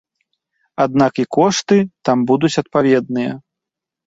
Аднак і кошты там будуць адпаведныя.